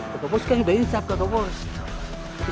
kak bos kan udah insap kak bos